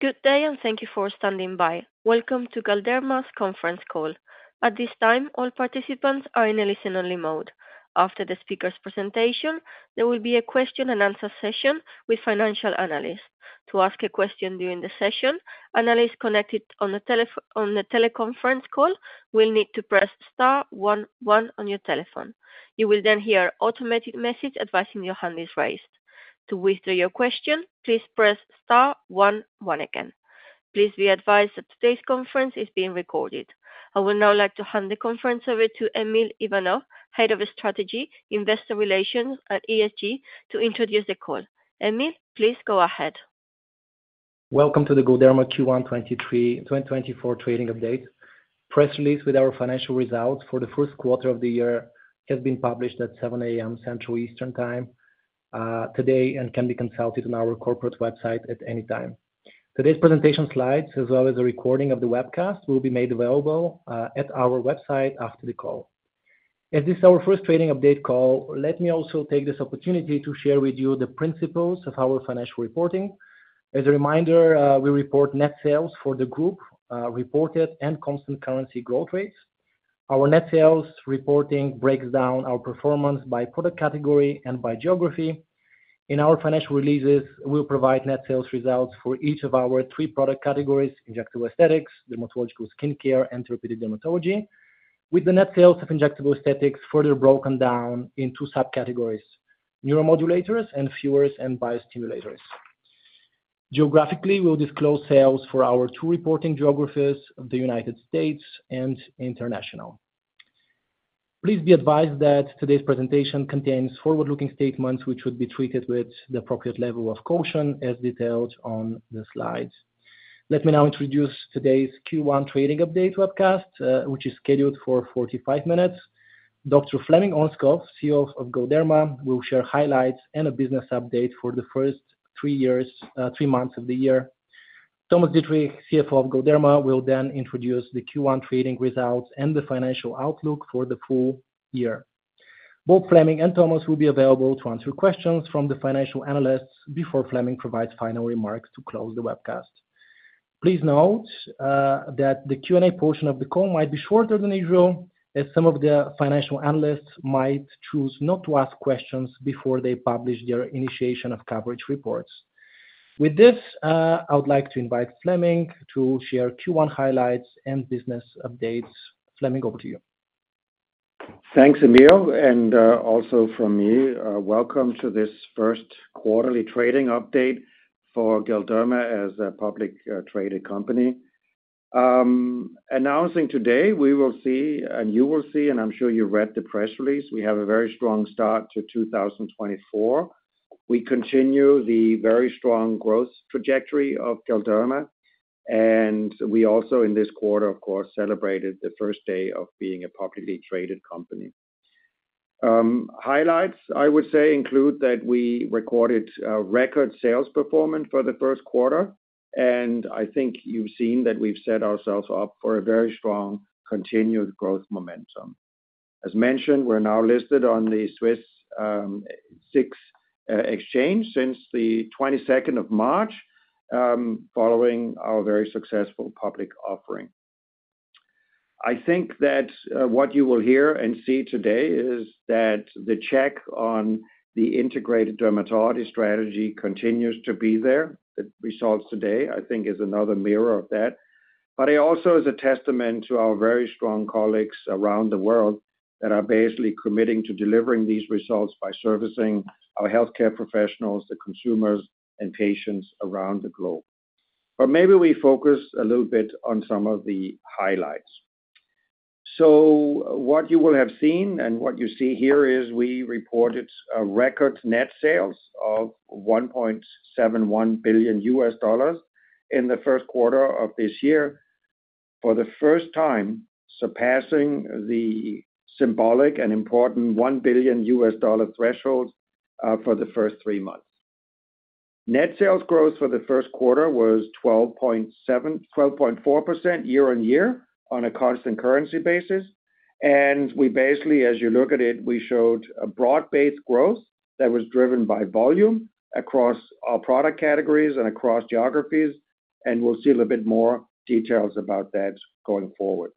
Good day, and thank you for standing by. Welcome to Galderma's conference call. At this time, all participants are in a listen-only mode. After the speaker's presentation, there will be a question and answer session with financial analysts. To ask a question during the session, analysts connected on the teleconference call will need to press star one one on your telephone. You will then hear an automated message advising your hand is raised. To withdraw your question, please press star one one again. Please be advised that today's conference is being recorded. I would now like to hand the conference over to Emil Ivanov, Head of Strategy, Investor Relations, and ESG, to introduce the call. Emil, please go ahead. Welcome to the Galderma Q1 2023, 2024 trading update. Press release with our financial results for the first quarter of the year has been published at 7:00 A.M. Central European Time, today, and can be consulted on our corporate website at any time. Today's presentation slides, as well as a recording of the webcast, will be made available, at our website after the call. As this is our first trading update call, let me also take this opportunity to share with you the principles of our financial reporting. As a reminder, we report net sales for the group, reported and constant currency growth rates. Our net sales reporting breaks down our performance by product category and by geography. In our financial releases, we'll provide net sales results for each of our three product categories: injectable aesthetics, dermatological skincare, and therapeutic dermatology, with the net sales of injectable aesthetics further broken down into subcategories, neuromodulators and fillers and biostimulators. Geographically, we'll disclose sales for our two reporting geographies of the United States and International. Please be advised that today's presentation contains forward-looking statements which would be treated with the appropriate level of caution, as detailed on the slides. Let me now introduce today's Q1 trading update webcast, which is scheduled for 45 minutes. Dr. Flemming Ørnskov, CEO of Galderma, will share highlights and a business update for the first three months of the year. Thomas Dittrich, CFO of Galderma, will then introduce the Q1 trading results and the financial outlook for the full year. Both Flemming and Thomas will be available to answer questions from the financial analysts before Flemming provides final remarks to close the webcast. Please note that the Q&A portion of the call might be shorter than usual, as some of the financial analysts might choose not to ask questions before they publish their initiation of coverage reports. With this, I would like to invite Flemming to share Q1 highlights and business updates. Flemming, over to you. Thanks, Emil, and also from me welcome to this first quarterly trading update for Galderma as a public traded company. Announcing today, we will see, and you will see, and I'm sure you read the press release, we have a very strong start to 2024. We continue the very strong growth trajectory of Galderma, and we also in this quarter, of course, celebrated the first day of being a publicly traded company. Highlights, I would say, include that we recorded a record sales performance for the first quarter, and I think you've seen that we've set ourselves up for a very strong, continued growth momentum. As mentioned, we're now listed on the Swiss SIX exchange since the 22nd of March, following our very successful public offering. I think that, what you will hear and see today is that the check on the integrated dermatology strategy continues to be there. The results today, I think, is another mirror of that. But it also is a testament to our very strong colleagues around the world that are basically committing to delivering these results by servicing our healthcare professionals, the consumers and patients around the globe. But maybe we focus a little bit on some of the highlights. So what you will have seen and what you see here is we reported a record net sales of $1.71 billion in the first quarter of this year, for the first time, surpassing the symbolic and important $1 billion threshold, for the first three months. Net sales growth for the first quarter was 12.4% year-on-year on a constant currency basis, and we basically, as you look at it, we showed a broad-based growth that was driven by volume across our product categories and across geographies, and we'll see a little bit more details about that going forward.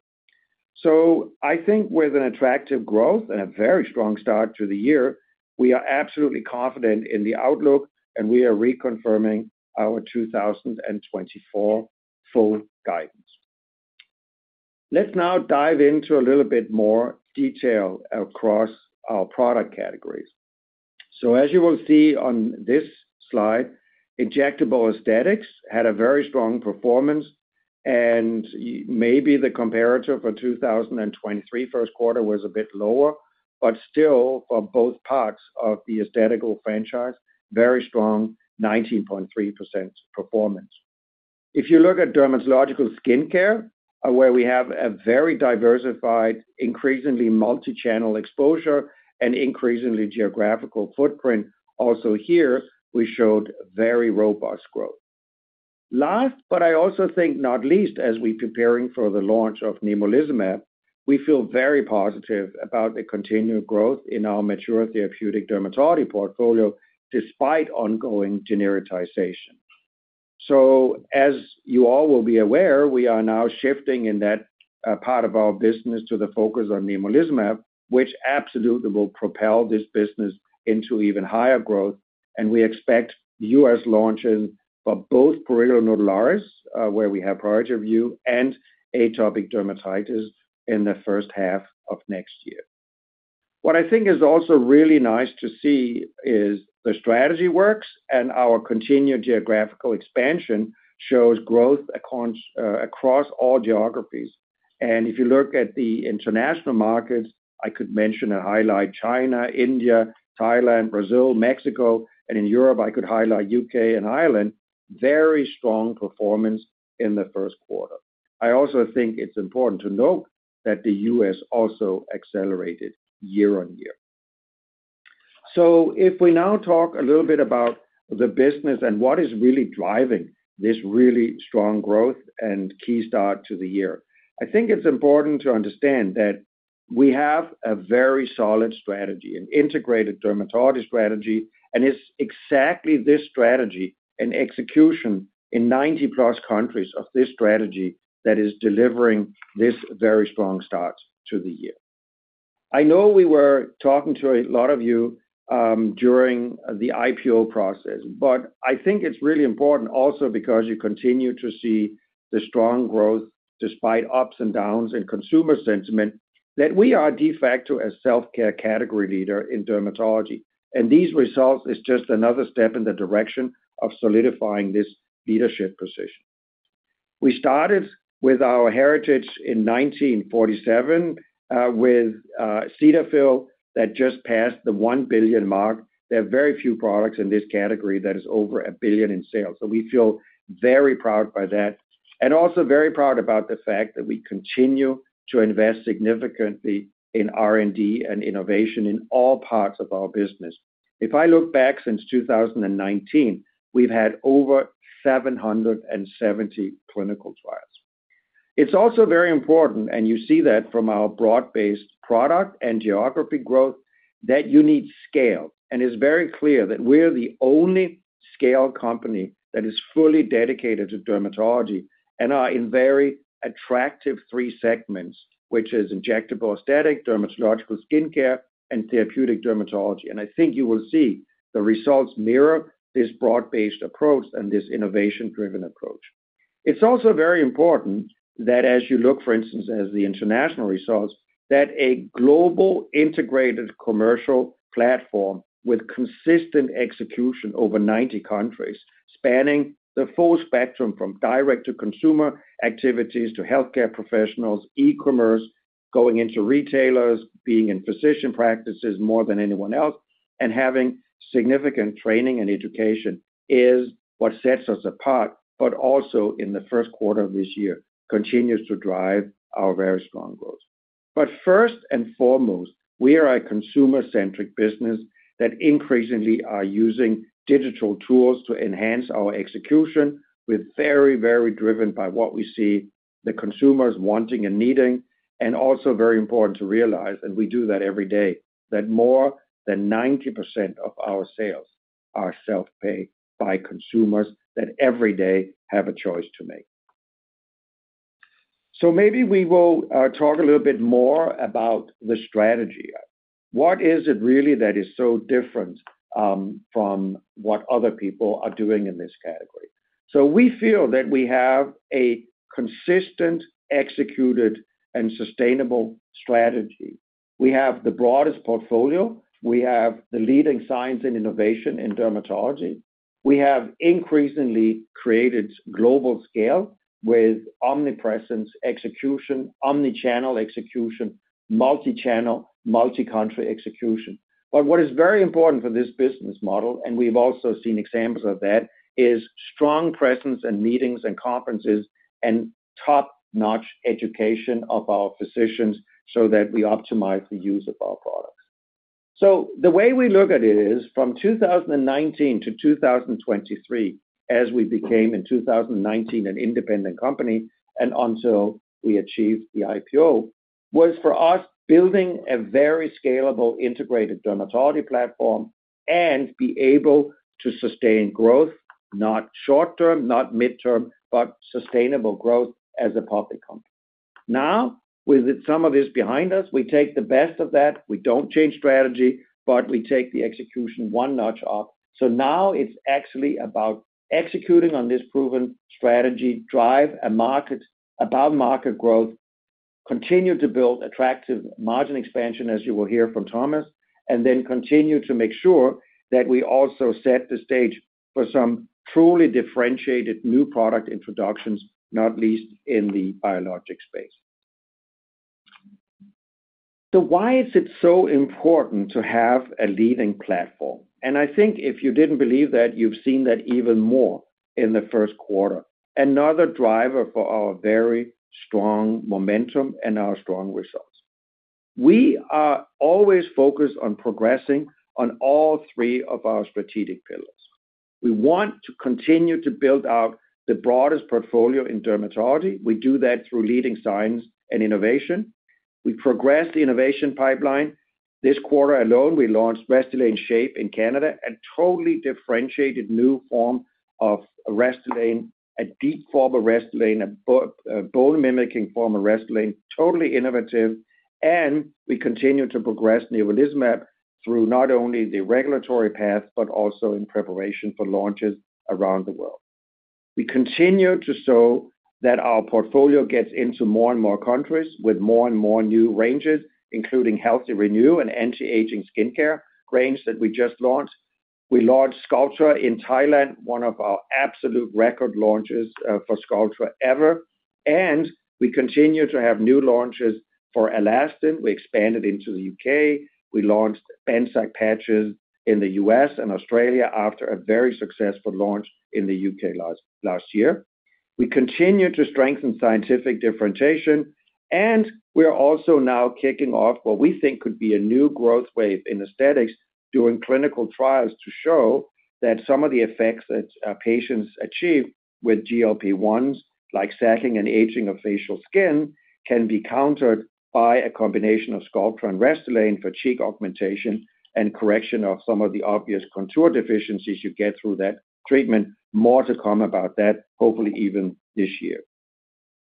I think with an attractive growth and a very strong start to the year, we are absolutely confident in the outlook, and we are reconfirming our 2024 full guidance. Let's now dive into a little bit more detail across our product categories. So as you will see on this slide, injectable aesthetics had a very strong performance, and maybe the comparator for 2023 first quarter was a bit lower, but still for both parts of the aesthetic franchise, very strong, 19.3% performance. If you look at dermatological skincare, where we have a very diversified, increasingly multi-channel exposure and increasingly geographical footprint, also here, we showed very robust growth. Last, but I also think not least, as we're preparing for the launch of nemolizumab. We feel very positive about the continued growth in our mature therapeutic dermatology portfolio, despite ongoing genericization. So as you all will be aware, we are now shifting in that part of our business to the focus on nemolizumab, which absolutely will propel this business into even higher growth, and we expect U.S. launches for both prurigo nodularis, where we have priority review, and atopic dermatitis in the first half of next year. What I think is also really nice to see is the strategy works, and our continued geographical expansion shows growth across all geographies. And if you look at the international markets, I could mention and highlight China, India, Thailand, Brazil, Mexico, and in Europe, I could highlight U.K. and Ireland, very strong performance in the first quarter. I also think it's important to note that the U.S. also accelerated year-on-year. So if we now talk a little bit about the business and what is really driving this really strong growth and key start to the year, I think it's important to understand that we have a very solid strategy, an integrated dermatology strategy, and it's exactly this strategy and execution in 90+ countries of this strategy that is delivering this very strong start to the year. I know we were talking to a lot of you during the IPO process, but I think it's really important also because you continue to see the strong growth despite ups and downs in consumer sentiment, that we are de facto a self-care category leader in dermatology. And these results is just another step in the direction of solidifying this leadership position. We started with our heritage in 1947 with Cetaphil that just passed the $1 billion mark. There are very few products in this category that is over $1 billion in sales, so we feel very proud by that, and also very proud about the fact that we continue to invest significantly in R&D and innovation in all parts of our business. If I look back since 2019, we've had over 770 clinical trials. It's also very important, and you see that from our broad-based product and geography growth, that you need scale. It's very clear that we're the only scale company that is fully dedicated to dermatology, and are in very attractive three segments, which is injectable aesthetic, dermatological skincare, and therapeutic dermatology. I think you will see the results mirror this broad-based approach and this innovation-driven approach. It's also very important that as you look, for instance, as the international results, that a global integrated commercial platform with consistent execution over 90 countries, spanning the full spectrum from direct to consumer activities, to healthcare professionals, e-commerce, going into retailers, being in physician practices more than anyone else, and having significant training and education, is what sets us apart, but also in the first quarter of this year, continues to drive our very strong growth. But first and foremost, we are a consumer-centric business that increasingly are using digital tools to enhance our execution. We're very, very driven by what we see the consumers wanting and needing, and also very important to realize, and we do that every day, that more than 90% of our sales are self-paid by consumers that every day have a choice to make. So maybe we will talk a little bit more about the strategy. What is it really that is so different from what other people are doing in this category? So we feel that we have a consistent, executed, and sustainable strategy. We have the broadest portfolio, we have the leading science and innovation in dermatology, we have increasingly created global scale with omnipresence execution, omni-channel execution, multi-channel, multi-country execution. But what is very important for this business model, and we've also seen examples of that, is strong presence in meetings and conferences, and top-notch education of our physicians so that we optimize the use of our products. So the way we look at it is, from 2019 to 2023, as we became in 2019 an independent company, and until we achieved the IPO, was for us, building a very scalable, integrated dermatology platform and be able to sustain growth, not short term, not mid-term, but sustainable growth as a public company. Now, with some of this behind us, we take the best of that. We don't change strategy, but we take the execution one notch up. So now it's actually about executing on this proven strategy, drive above-market growth, continue to build attractive margin expansion, as you will hear from Thomas, and then continue to make sure that we also set the stage for some truly differentiated new product introductions, not least in the biologic space. So why is it so important to have a leading platform? I think if you didn't believe that, you've seen that even more in the first quarter, another driver for our very strong momentum and our strong results. We are always focused on progressing on all three of our strategic pillars. We want to continue to build out the broadest portfolio in dermatology. We do that through leading science and innovation. We progress the innovation pipeline. This quarter alone, we launched Restylane SHAYPE in Canada, a totally differentiated new form of Restylane, a deep form of Restylane, a bone-mimicking form of Restylane, totally innovative, and we continue to progress nemolizumab through not only the regulatory path, but also in preparation for launches around the world. We continue to show that our portfolio gets into more and more countries with more and more new ranges, including Healthy Renew and anti-aging skincare range that we just launched. We launched Sculptra in Thailand, one of our absolute record launches for Sculptra ever, and we continue to have new launches for Alastin. We expanded into the U.K. We launched Benzac patches in the US and Australia after a very successful launch in the U.K. last year. We continue to strengthen scientific differentiation, and we are also now kicking off what we think could be a new growth wave in aesthetics, doing clinical trials to show that some of the effects that patients achieve with GLP-1s, like sagging and aging of facial skin, can be countered by a combination of Sculptra and Restylane for cheek augmentation and correction of some of the obvious contour deficiencies you get through that treatment. More to come about that, hopefully even this year.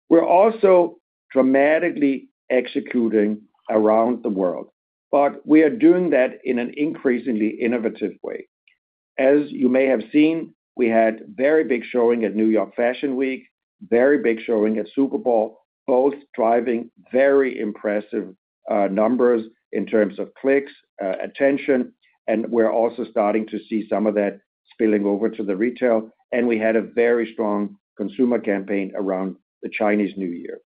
We're also dramatically executing around the world, but we are doing that in an increasingly innovative way. As you may have seen, we had very big showing at New York Fashion Week, very big showing at Super Bowl, both driving very impressive numbers in terms of clicks, attention, and we're also starting to see some of that spilling over to the retail, and we had a very strong consumer campaign around the Chinese New Year.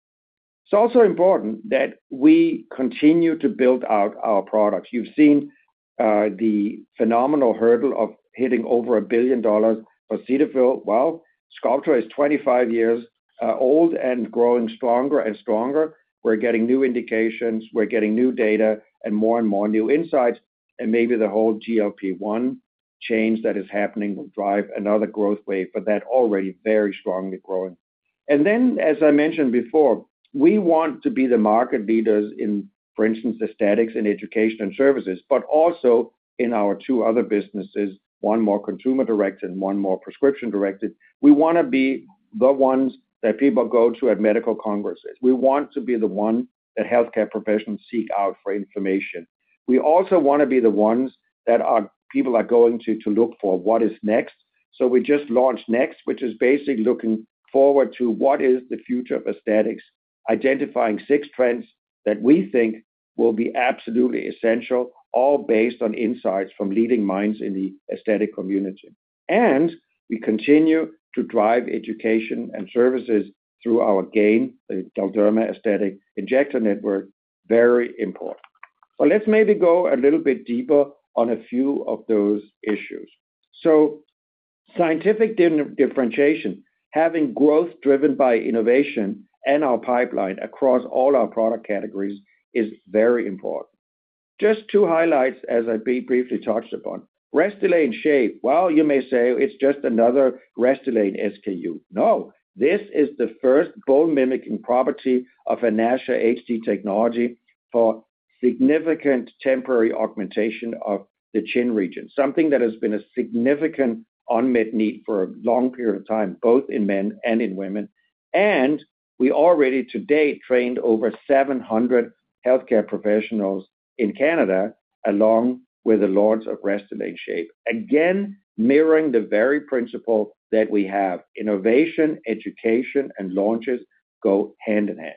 It's also important that we continue to build out our products. You've seen the phenomenal hurdle of hitting over $1 billion for Cetaphil. Well, Sculptra is 25 years old and growing stronger and stronger. We're getting new indications, we're getting new data, and more and more new insights, and maybe the whole GLP-1 change that is happening will drive another growth wave, but that already very strongly growing. Then, as I mentioned before, we want to be the market leaders in, for instance, aesthetics and education and services, but also in our two other businesses, one more consumer-directed, one more prescription-directed. We wanna be the ones that people go to at medical congresses. We want to be the one that healthcare professionals seek out for information. We also wanna be the ones that people are going to, to look for what is next. So we just launched Next, which is basically looking forward to what is the future of aesthetics, identifying six trends that we think will be absolutely essential, all based on insights from leading minds in the aesthetic community. And we continue to drive education and services through our GAIN, the Galderma Aesthetic Injector Network, very important. Let's maybe go a little bit deeper on a few of those issues. So scientific differentiation, having growth driven by innovation and our pipeline across all our product categories is very important. Just two highlights, as I briefly touched upon. Restylane SHAYPE. Well, you may say it's just another Restylane SKU. No, this is the first bone-mimicking property of a NASHA HD technology for significant temporary augmentation of the chin region, something that has been a significant unmet need for a long period of time, both in men and in women. And we already to date, trained over 700 healthcare professionals in Canada, along with the launch of Restylane SHAYPE. Again, mirroring the very principle that we have, innovation, education, and launches go hand in hand.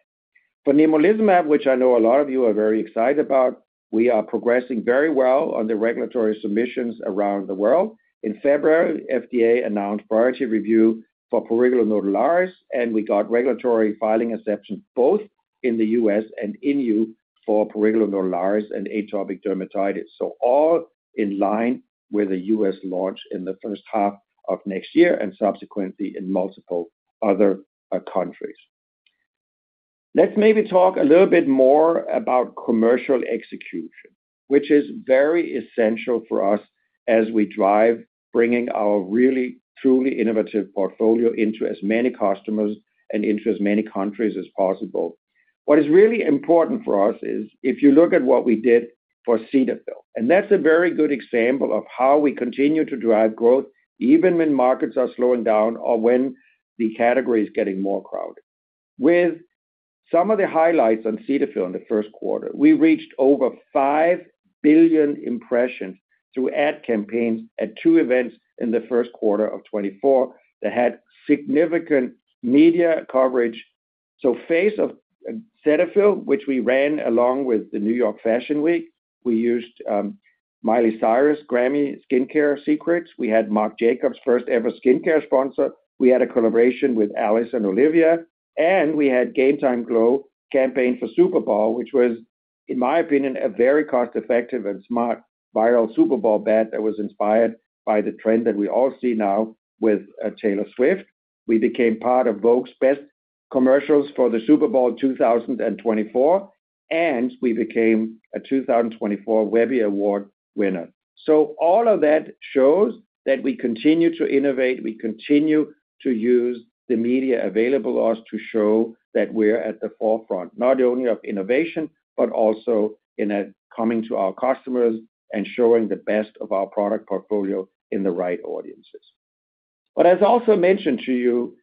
For nemolizumab, which I know a lot of you are very excited about, we are progressing very well on the regulatory submissions around the world. In February, FDA announced priority review for prurigo nodularis, and we got regulatory filing acceptance both in the U.S. and E.U. for prurigo nodularis and atopic dermatitis. So all in line with the U.S. launch in the first half of next year, and subsequently in multiple other countries. Let's maybe talk a little bit more about commercial execution, which is very essential for us as we drive, bringing our really, truly innovative portfolio into as many customers and into as many countries as possible. What is really important for us is, if you look at what we did for Cetaphil, and that's a very good example of how we continue to drive growth even when markets are slowing down or when the category is getting more crowded. With some of the highlights on Cetaphil in the first quarter, we reached over 5 billion impressions through ad campaigns at two events in the first quarter of 2024, that had significant media coverage. So Face of Cetaphil, which we ran along with the New York Fashion Week, we used Miley Cyrus, Grammy Skincare Secrets. We had Marc Jacobs' first-ever skincare sponsor. We had a collaboration with Alice and Olivia, and we had Game Time Glow campaign for Super Bowl, which was, in my opinion, a very cost-effective and smart viral Super Bowl bet that was inspired by the trend that we all see now with Taylor Swift. We became part of Vogue's best commercials for the Super Bowl 2024, and we became a 2024 Webby Award winner. So all of that shows that we continue to innovate, we continue to use the media available to us to show that we're at the forefront, not only of innovation, but also in, coming to our customers and showing the best of our product portfolio in the right audiences. But as I also mentioned to you,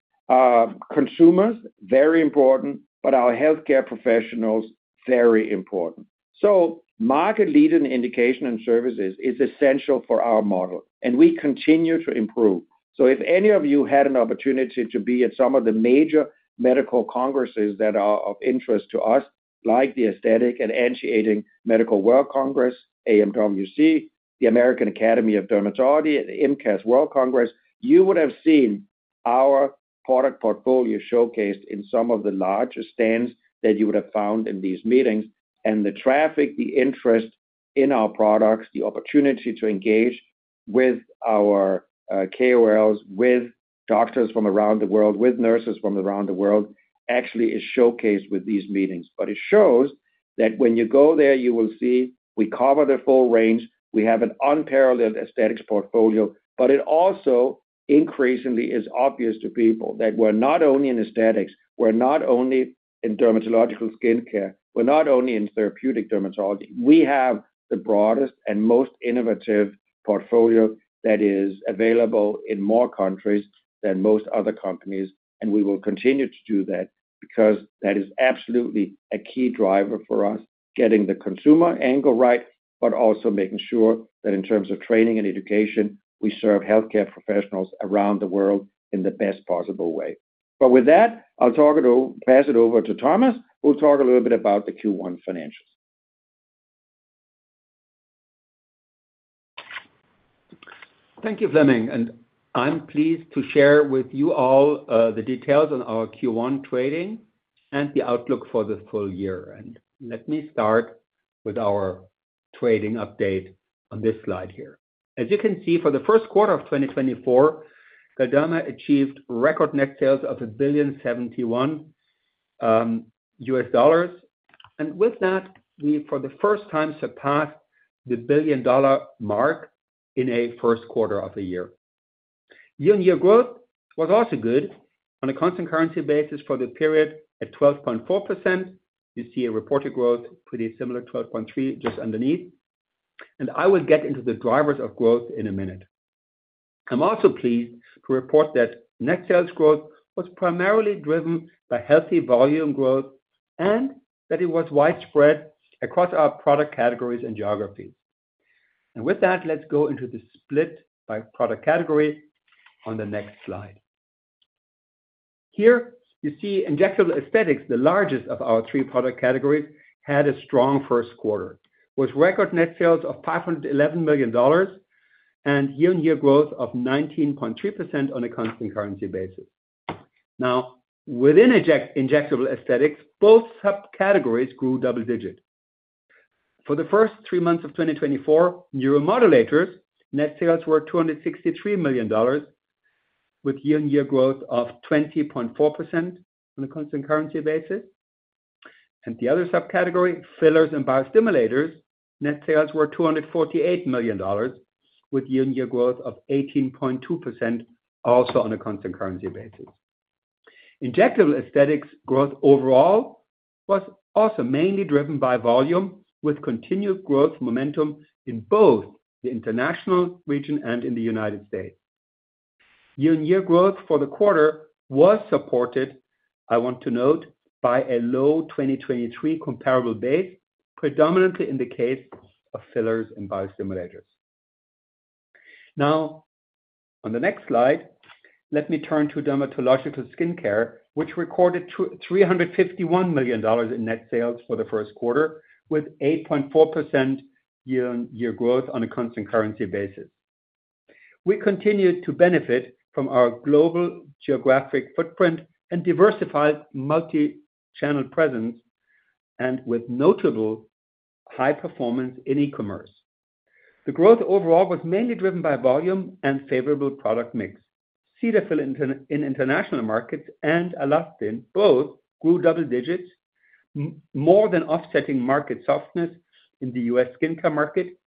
consumers, very important, but our healthcare professionals, very important. So market-leading indication and services is essential for our model, and we continue to improve. So if any of you had an opportunity to be at some of the major medical congresses that are of interest to us, like the Aesthetic and Anti-Aging Medical World Congress, AMWC, the American Academy of Dermatology, IMCAS World Congress, you would have seen our product portfolio showcased in some of the largest stands that you would have found in these meetings. The traffic, the interest in our products, the opportunity to engage with our KOLs, with doctors from around the world, with nurses from around the world, actually is showcased with these meetings. But it shows that when you go there, you will see we cover the full range. We have an unparalleled aesthetics portfolio, but it also increasingly is obvious to people that we're not only in aesthetics, we're not only in dermatological skincare, we're not only in therapeutic dermatology. We have the broadest and most innovative portfolio that is available in more countries than most other companies, and we will continue to do that, because that is absolutely a key driver for us, getting the consumer angle right, but also making sure that in terms of training and education, we serve healthcare professionals around the world in the best possible way. But with that, I'll pass it over to Thomas, who'll talk a little bit about the Q1 financials. Thank you, Flemming, and I'm pleased to share with you all the details on our Q1 trading and the outlook for this full year. Let me start with our trading update on this slide here. As you can see, for the first quarter of 2024, Galderma achieved record net sales of $1.071 billion. And with that, we, for the first time, surpassed the billion-dollar mark in a first quarter of the year. Year-on-year growth was also good. On a constant currency basis for the period at 12.4%, you see a reported growth, pretty similar, 12.3%, just underneath. And I will get into the drivers of growth in a minute. I'm also pleased to report that net sales growth was primarily driven by healthy volume growth, and that it was widespread across our product categories and geographies. With that, let's go into the split by product category on the next slide. Here, you see Injectable Aesthetics, the largest of our three product categories, had a strong first quarter, with record net sales of $511 million and year-on-year growth of 19.3% on a constant currency basis. Now, within Injectable Aesthetics, both subcategories grew double-digit. For the first three months of 2024, neuromodulators, net sales were $263 million, with year-on-year growth of 20.4% on a constant currency basis. And the other subcategory, fillers and biostimulators, net sales were $248 million, with year-on-year growth of 18.2%, also on a constant currency basis. Injectable aesthetics growth overall was also mainly driven by volume, with continued growth momentum in both the international region and in the United States. Year-on-year growth for the quarter was supported, I want to note, by a low 2023 comparable base, predominantly in the case of fillers and biostimulators. Now, on the next slide, let me turn to Dermatological Skincare, which recorded $351 million in net sales for the first quarter, with 8.4% year-on-year growth on a constant currency basis. We continued to benefit from our global geographic footprint and diversified multi-channel presence, and with notable high performance in e-commerce. The growth overall was mainly driven by volume and favorable product mix. Cetaphil in international markets and Alastin both grew double digits, more than offsetting market softness in the US skincare market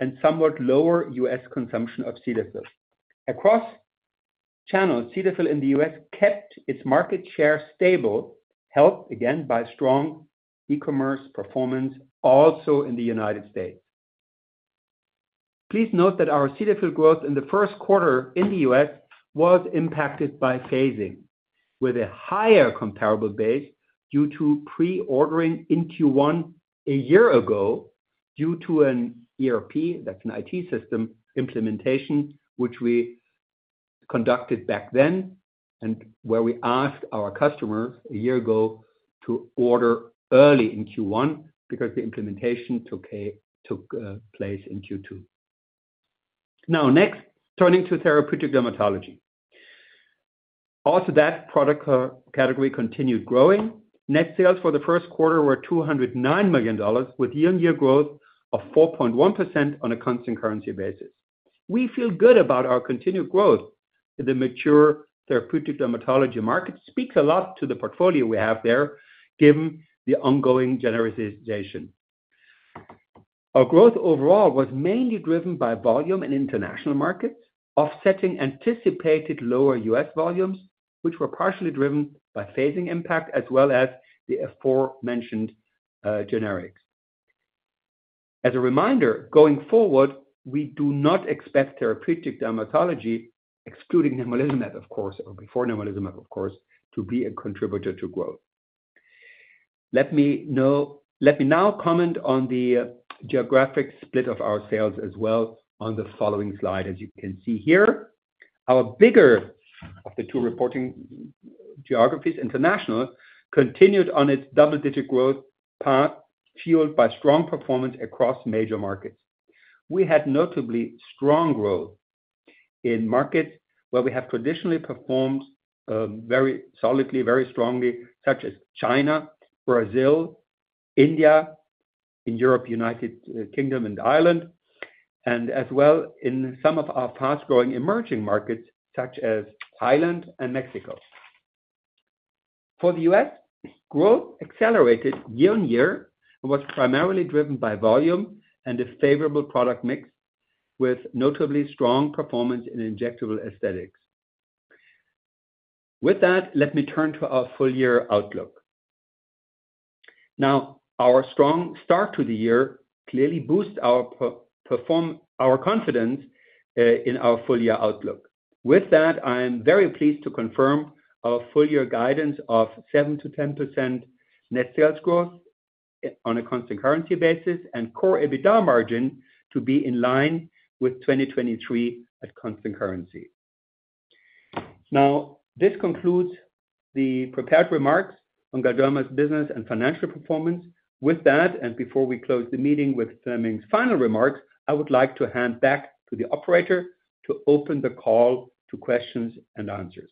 and somewhat lower U.S. consumption of Cetaphil. Across channels, Cetaphil in the US kept its market share stable, helped, again, by strong e-commerce performance, also in the United States. Please note that our Cetaphil growth in the first quarter in the US was impacted by phasing, with a higher comparable base due to pre-ordering in Q1 a year ago, due to an ERP, that's an IT system, implementation, which we conducted back then and where we asked our customers a year ago to order early in Q1 because the implementation took took place in Q2. Now next, turning to Therapeutic Dermatology. Also, that product category continued growing. Net sales for the first quarter were $209 million, with year-on-year growth of 4.1% on a constant currency basis. We feel good about our continued growth in the mature therapeutic dermatology market, speaks a lot to the portfolio we have there, given the ongoing genericization. Our growth overall was mainly driven by volume in international markets, offsetting anticipated lower U.S. volumes, which were partially driven by phasing impact as well as the aforementioned generics. As a reminder, going forward, we do not expect therapeutic dermatology, excluding nemolizumab, of course, or before nemolizumab, of course, to be a contributor to growth. Let me now comment on the geographic split of our sales as well, on the following slide. As you can see here, our bigger of the two reporting geographies, international, continued on its double-digit growth path, fueled by strong performance across major markets. We had notably strong growth in markets where we have traditionally performed very solidly, very strongly, such as China, Brazil, India, in Europe, United Kingdom and Ireland, and as well in some of our fast-growing emerging markets, such as Thailand and Mexico. For the U.S., growth accelerated year-on-year and was primarily driven by volume and a favorable product mix, with notably strong performance in injectable aesthetics. With that, let me turn to our full year outlook. Now, our strong start to the year clearly boosts our performance, our confidence in our full year outlook. With that, I am very pleased to confirm our full year guidance of 7%-10% net sales growth on a constant currency basis, and core EBITDA margin to be in line with 2023 at constant currency. Now, this concludes the prepared remarks on Galderma's business and financial performance. With that, and before we close the meeting with Flemming's final remarks, I would like to hand back to the operator to open the call to questions and answers.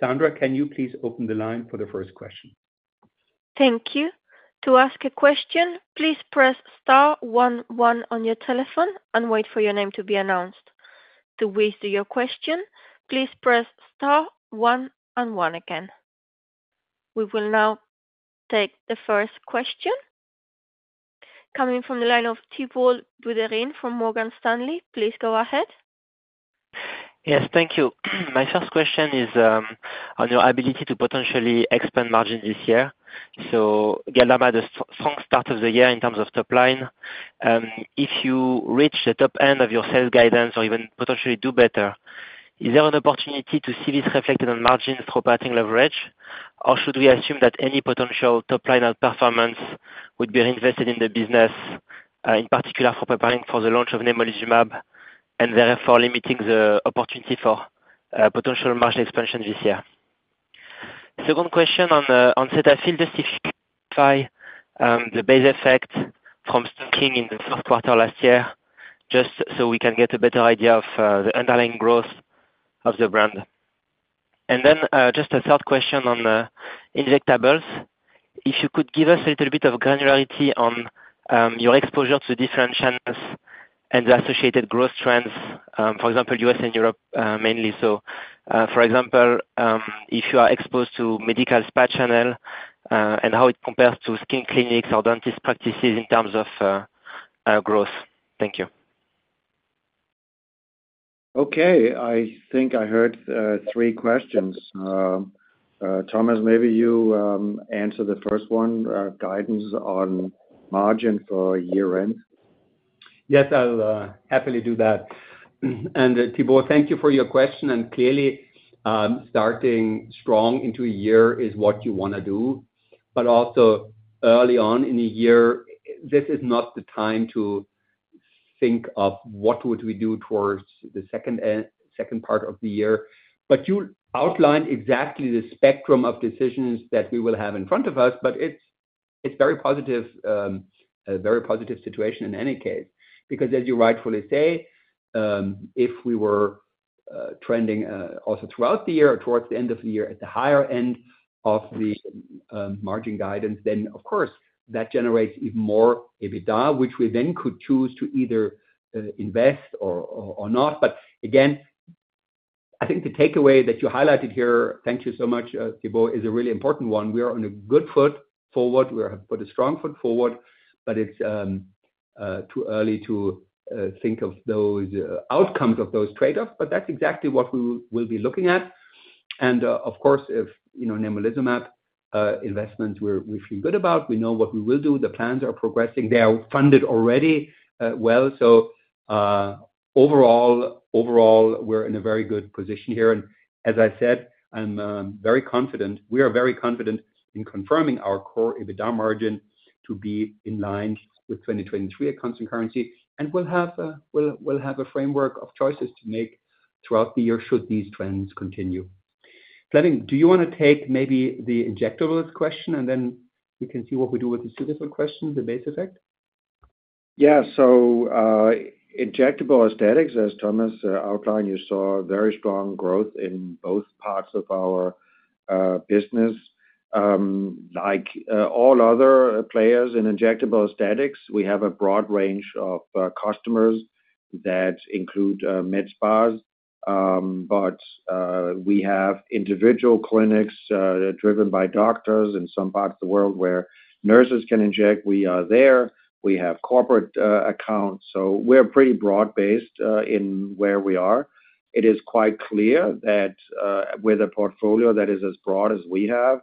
Sandra, can you please open the line for the first question? Thank you. To ask a question, please press star one one on your telephone and wait for your name to be announced. To withdraw your question, please press star one and one again. We will now take the first question coming from the line of Thibault Boutherin from Morgan Stanley. Please go ahead. Yes, thank you. My first question is on your ability to potentially expand margins this year. So Galderma had a strong start of the year in terms of top line. If you reach the top end of your sales guidance or even potentially do better, is there an opportunity to see this reflected on margins through operating leverage? Or should we assume that any potential top line outperformance would be reinvested in the business, in particular for preparing for the launch of nemolizumab, and therefore limiting the opportunity for potential margin expansion this year? Second question on Cetaphil, just if you could clarify the base effect from stocking in the fourth quarter last year, just so we can get a better idea of the underlying growth of the brand. And then just a third question on injectables. If you could give us a little bit of granularity on your exposure to different channels and the associated growth trends, for example, U.S. and Europe, mainly so. For example, if you are exposed to medical spa channel, and how it compares to skin clinics or dentist practices in terms of growth. Thank you. Okay, I think I heard three questions. Thomas, maybe you answer the first one, guidance on margin for year-end. Yes, I'll happily do that. And Thibault, thank you for your question. And clearly, starting strong into a year is what you wanna do, but also early on in the year, this is not the time to think of what would we do towards the second end-- second part of the year. But you outlined exactly the spectrum of decisions that we will have in front of us, but it's, it's very positive, a very positive situation in any case. Because as you rightfully say, if we were trending also throughout the year or towards the end of the year at the higher end of the margin guidance, then of course, that generates even more EBITDA, which we then could choose to either invest or, or, or not. But again, I think the takeaway that you highlighted here, thank you so much, Thibault, is a really important one. We are on a good foot forward. We have put a strong foot forward, but it's too early to think of those outcomes of those trade-offs, but that's exactly what we will be looking at. And, of course, if, you know, nemolizumab investments we feel good about, we know what we will do. The plans are progressing. They are funded already, well. So, overall, we're in a very good position here. And as I said, I'm very confident. We are very confident in confirming our Core EBITDA margin to be in line with 2023 at constant currency, and we'll have a framework of choices to make throughout the year, should these trends continue. Flemming, do you wanna take maybe the injectables question, and then we can see what we do with the second question, the base effect? Yeah. So, injectable aesthetics, as Thomas outlined, you saw very strong growth in both parts of our business. Like, all other players in injectable aesthetics, we have a broad range of customers that include med spas, but we have individual clinics that are driven by doctors. In some parts of the world where nurses can inject, we are there. We have corporate accounts, so we're pretty broad-based in where we are. It is quite clear that, with a portfolio that is as broad as we have,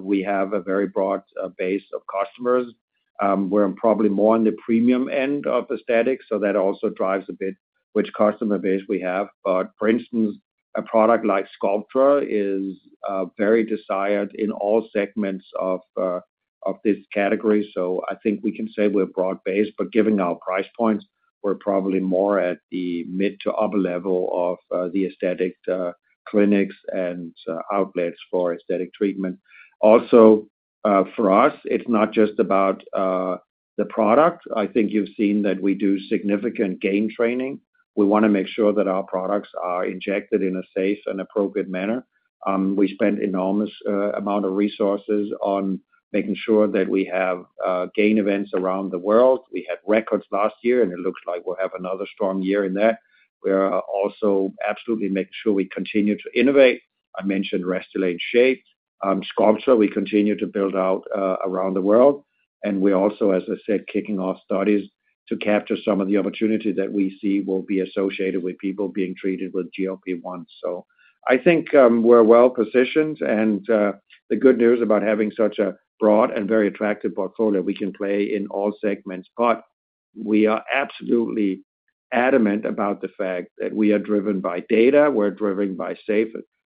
we have a very broad base of customers. We're probably more on the premium end of aesthetics, so that also drives a bit which customer base we have. But for instance, a product like Sculptra is very desired in all segments of this category, so I think we can say we're broad-based, but given our price points, we're probably more at the mid to upper level of the aesthetic clinics and outlets for aesthetic treatment. Also, for us, it's not just about the product. I think you've seen that we do significant GAIN training. We want to make sure that our products are injected in a safe and appropriate manner. We spend enormous amount of resources on making sure that we have GAIN events around the world. We had records last year, and it looks like we'll have another strong year in there. We are also absolutely making sure we continue to innovate. I mentioned Restylane SHAYPE, Sculptra, we continue to build out around the world, and we're also, as I said, kicking off studies to capture some of the opportunity that we see will be associated with people being treated with GLP-1. So I think, we're well positioned, and, the good news about having such a broad and very attractive portfolio, we can play in all segments, but we are absolutely adamant about the fact that we are driven by data. We're driven by safe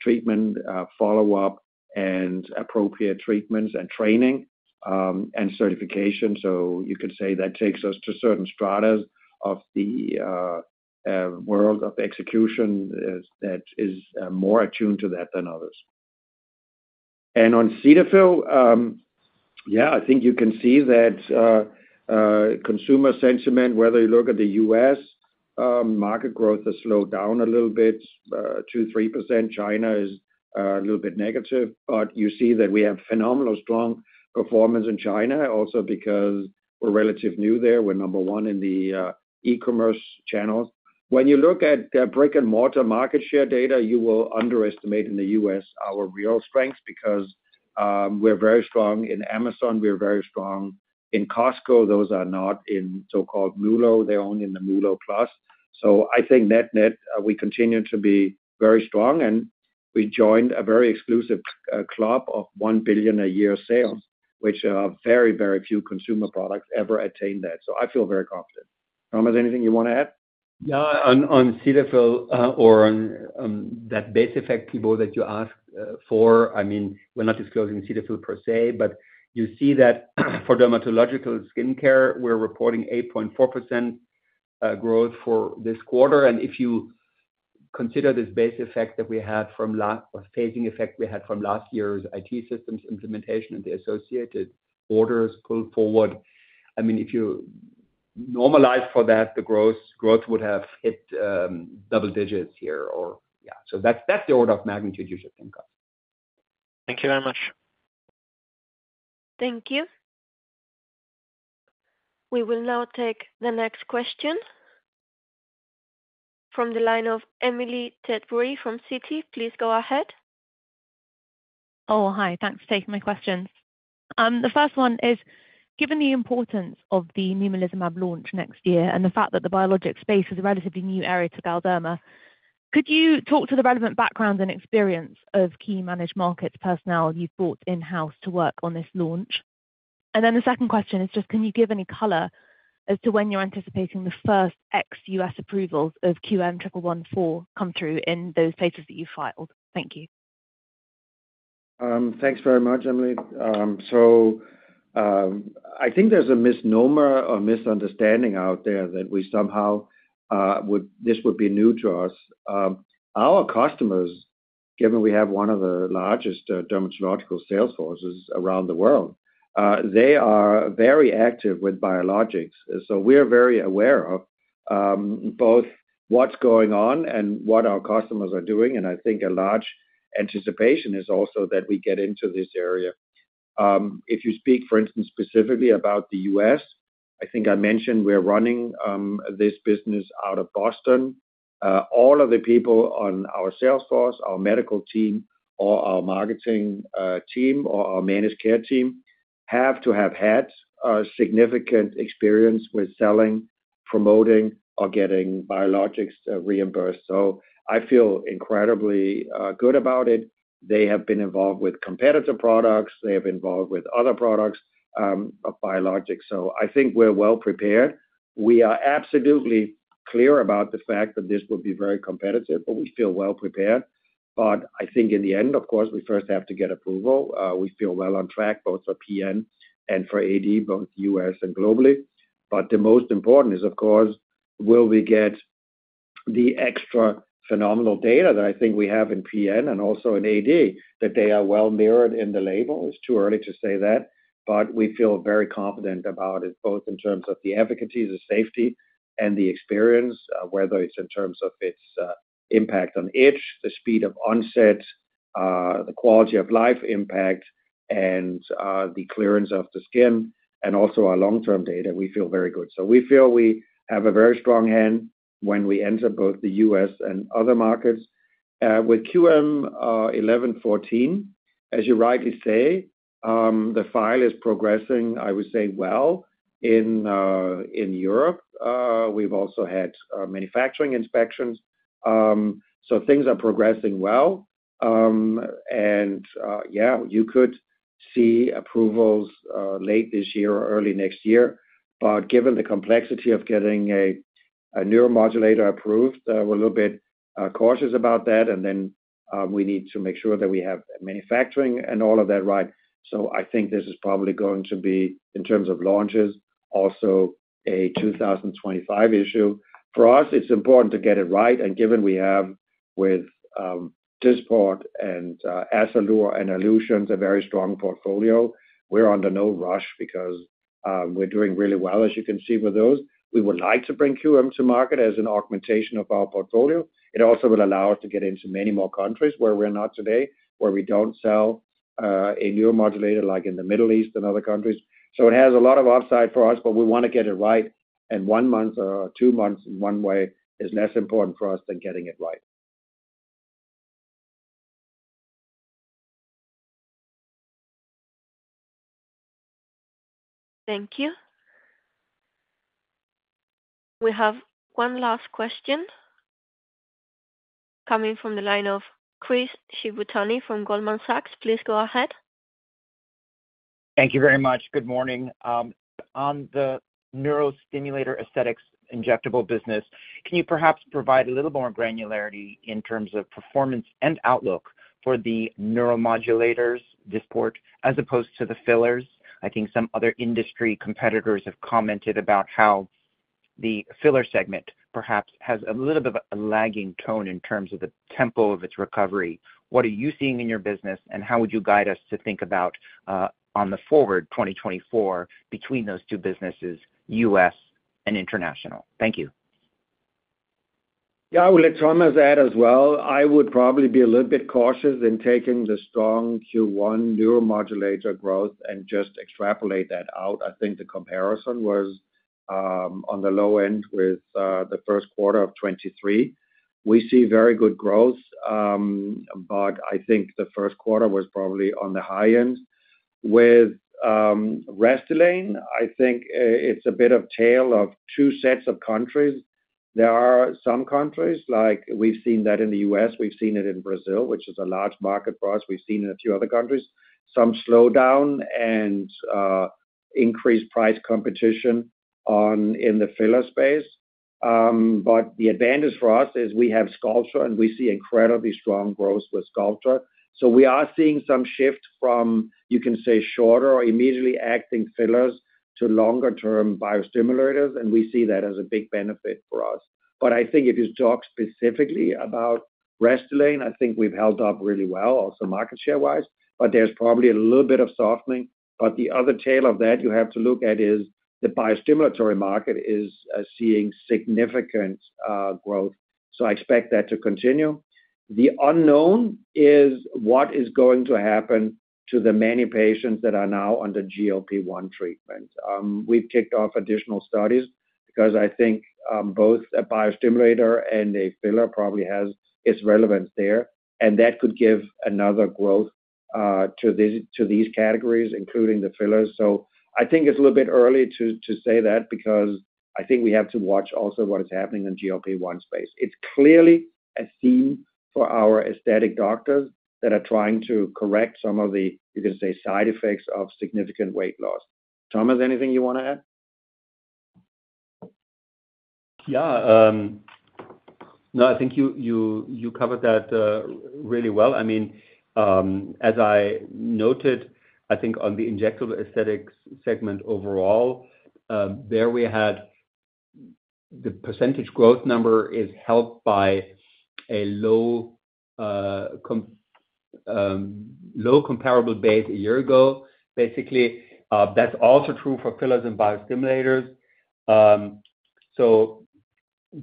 treatment, follow-up, and appropriate treatments and training, and certification. So you could say that takes us to certain strata of the world of execution, that is, more attuned to that than others. On Cetaphil, yeah, I think you can see that, consumer sentiment, whether you look at the US market growth has slowed down a little bit, 2%-3%. China is a little bit negative, but you see that we have phenomenal strong performance in China also because we're relatively new there. We're number one in the e-commerce channels. When you look at the brick-and-mortar market share data, you will underestimate in the US our real strengths, because we're very strong in Amazon, we are very strong in Costco. Those are not in so-called MULO. They are in the MULO plus. So I think net-net, we continue to be very strong, and we joined a very exclusive club of $1 billion a year sales, which very, very few consumer products ever attain that. So I feel very confident. Thomas, anything you want to add? Yeah. On Cetaphil, or on that base effect that you asked for, I mean, we're not disclosing Cetaphil per se, but you see that for dermatological skincare, we're reporting 8.4% growth for this quarter. And if you consider this base effect that we had from last or phasing effect we had from last year's IT systems implementation and the associated orders pulled forward, I mean, if you normalize for that, the gross growth would have hit double digits here or yeah. So that's the order of magnitude you should think of. Thank you very much. Thank you. We will now take the next question from the line of Emily Tedbury from Citi. Please go ahead. Oh, hi. Thanks for taking my questions. The first one is, given the importance of the Nemluvio launch next year, and the fact that the biologic space is a relatively new area to Galderma, could you talk to the relevant background and experience of key managed markets personnel you've brought in-house to work on this launch? And then the second question is just, can you give any color as to when you're anticipating the first ex-US approvals of QM1114 come through in those places that you filed? Thank you. Thanks very much, Emily. So, I think there's a misnomer or misunderstanding out there that we somehow this would be new to us. Our customers, given we have one of the largest dermatological sales forces around the world, they are very active with biologics. So we're very aware of both what's going on and what our customers are doing, and I think a large anticipation is also that we get into this area. If you speak, for instance, specifically about the U.S., I think I mentioned we're running this business out of Boston. All of the people on our sales force, our medical team or our marketing team or our managed care team, have to have had a significant experience with selling, promoting, or getting biologics reimbursed. So I feel incredibly good about it. They have been involved with competitor products. They have been involved with other products of biologics, so I think we're well prepared. We are absolutely clear about the fact that this will be very competitive, but we feel well prepared. But I think in the end, of course, we first have to get approval. We feel well on track, both for PN and for AD, both U.S. and globally. But the most important is, of course, will we get the extra phenomenal data that I think we have in PN and also in AD, that they are well mirrored in the label? It's too early to say that, but we feel very confident about it, both in terms of the efficacy, the safety, and the experience, whether it's in terms of its impact on itch, the speed of onset-... The quality of life impact and the clearance of the skin and also our long-term data, we feel very good. So we feel we have a very strong hand when we enter both the U.S. and other markets. With QM1114, as you rightly say, the file is progressing, I would say, well in Europe. We've also had manufacturing inspections. So things are progressing well. And yeah, you could see approvals late this year or early next year. But given the complexity of getting a neuromodulator approved, we're a little bit cautious about that, and then we need to make sure that we have manufacturing and all of that right. So I think this is probably going to be, in terms of launches, also a 2025 issue. For us, it's important to get it right, and given we have Dysport and Azzalure and Alluzience, a very strong portfolio, we're under no rush because we're doing really well, as you can see, with those. We would like to bring QM to market as an augmentation of our portfolio. It also will allow us to get into many more countries where we're not today, where we don't sell a neuromodulator, like in the Middle East and other countries. So it has a lot of upside for us, but we want to get it right, and one month or two months in one way is less important for us than getting it right. Thank you. We have one last question coming from the line of Chris Shibutani from Goldman Sachs. Please go ahead. Thank you very much. Good morning. On the neuromodulator aesthetics injectable business, can you perhaps provide a little more granularity in terms of performance and outlook for the neuromodulators, Dysport, as opposed to the fillers? I think some other industry competitors have commented about how the filler segment perhaps has a little bit of a lagging tone in terms of the tempo of its recovery. What are you seeing in your business, and how would you guide us to think about on the forward 2024 between those two businesses, U.S. and international? Thank you. Yeah, I will let Thomas add as well. I would probably be a little bit cautious in taking the strong Q1 neuromodulator growth and just extrapolate that out. I think the comparison was on the low end with the first quarter of 2023. We see very good growth, but I think the first quarter was probably on the high end. With Restylane, I think it's a bit of tale of two sets of countries. There are some countries, like we've seen that in the U.S., we've seen it in Brazil, which is a large market for us. We've seen in a few other countries some slowdown and increased price competition on in the filler space. But the advantage for us is we have Sculptra, and we see incredibly strong growth with Sculptra. So we are seeing some shift from, you can say, shorter or immediately acting fillers to longer term biostimulators, and we see that as a big benefit for us. But I think if you talk specifically about Restylane, I think we've held up really well, also market share wise, but there's probably a little bit of softening. But the other tail of that you have to look at is the biostimulatory market is seeing significant growth, so I expect that to continue. The unknown is what is going to happen to the many patients that are now under GLP-1 treatment. We've kicked off additional studies because I think both a biostimulator and a filler probably has its relevance there, and that could give another growth to these categories, including the fillers. So I think it's a little bit early to, to say that, because I think we have to watch also what is happening in GLP-1 space. It's clearly a theme for our aesthetic doctors that are trying to correct some of the, you can say, side effects of significant weight loss. Thomas, anything you want to add? Yeah. No, I think you covered that really well. I mean, as I noted, I think on the injectable aesthetics segment overall, there we had the percentage growth number is helped by a low comparable base a year ago. Basically, that's also true for fillers and biostimulators. So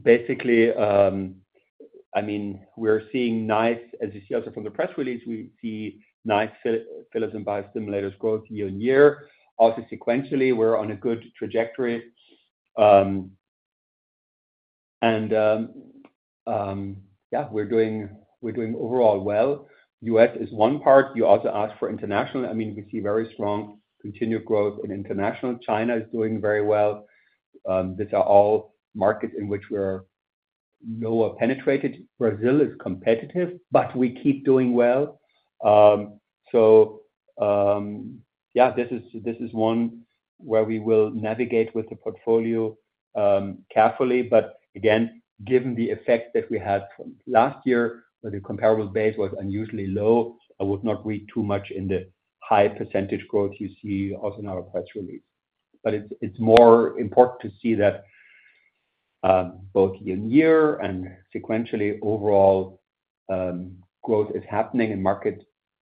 basically, I mean, we're seeing nice, as you see also from the press release, we see nice fillers and biostimulators growth year-on-year. Also sequentially, we're on a good trajectory. And yeah, we're doing overall well. U.S. is one part. You also ask for international. I mean, we see very strong continued growth in international. China is doing very well. These are all markets in which we are lower penetrated. Brazil is competitive, but we keep doing well. So, yeah, this is, this is one where we will navigate with the portfolio, carefully. But again, given the effect that we had from last year, where the comparable base was unusually low, I would not read too much in the high percentage growth you see also in our press release. But it's, it's more important to see that, both year and year and sequentially overall, growth is happening and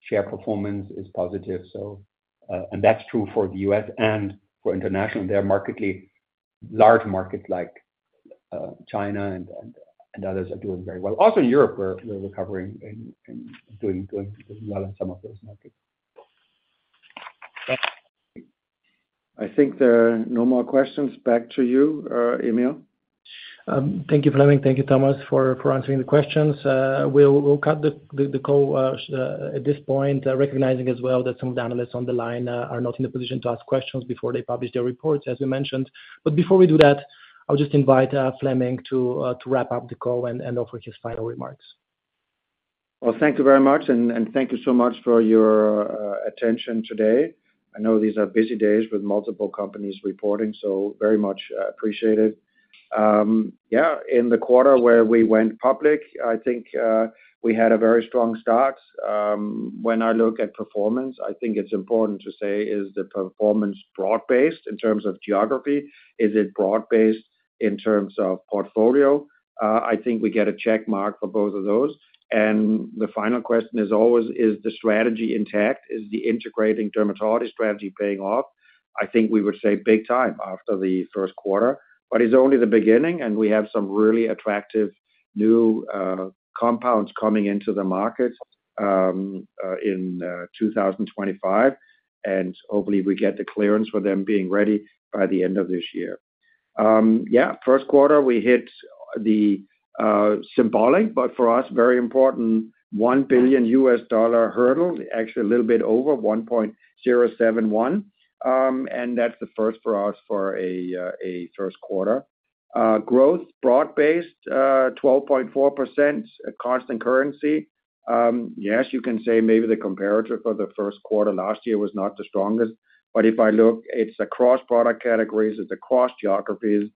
market share performance is positive. So, and that's true for the U.S. and for international. They're markedly large markets like China- China and others are doing very well. Also Europe, we're recovering and doing well in some of those markets. I think there are no more questions. Back to you, Emil. Thank you, Flemming. Thank you, Thomas, for answering the questions. We'll cut the call at this point, recognizing as well that some of the analysts on the line are not in a position to ask questions before they publish their reports, as you mentioned. But before we do that, I'll just invite Flemming to wrap up the call and offer his final remarks. Well, thank you very much, and, and thank you so much for your attention today. I know these are busy days with multiple companies reporting, so very much appreciated. Yeah, in the quarter where we went public, I think we had a very strong start. When I look at performance, I think it's important to say, is the performance broad-based in terms of geography? Is it broad-based in terms of portfolio? I think we get a check mark for both of those. And the final question is always: Is the strategy intact? Is the integrating dermatology strategy paying off? I think we would say big time after the first quarter. But it's only the beginning, and we have some really attractive new compounds coming into the market in 2025, and hopefully we get the clearance for them being ready by the end of this year. Yeah, first quarter, we hit the symbolic, but for us, very important $1 billion hurdle, actually a little bit over $1.071 billion. And that's the first for us for a first quarter. Growth, broad-based, 12.4% constant currency. Yes, you can say maybe the comparator for the first quarter last year was not the strongest, but if I look, it's across product categories, it's across geographies,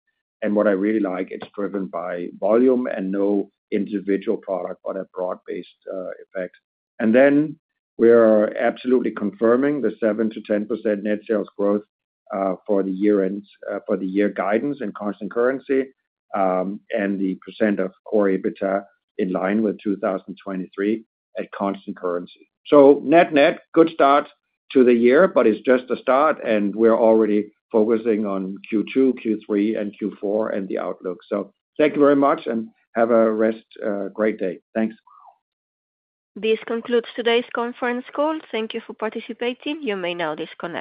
and what I really like, it's driven by volume and no individual product, but a broad-based effect. And then we are absolutely confirming the 7%-10% net sales growth, for the year end, for the year guidance and constant currency, and the percent of Core EBITDA in line with 2023 at constant currency. So net-net, good start to the year, but it's just a start, and we're already focusing on Q2, Q3, and Q4, and the outlook. So thank you very much and have a rest, great day. Thanks. This concludes today's conference call. Thank you for participating. You may now disconnect.